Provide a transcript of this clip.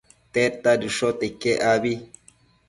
tedta dëshote iquec abi?